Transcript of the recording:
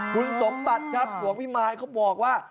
คุณสมบัติครับหลวงพี่มายเขาบอกว่า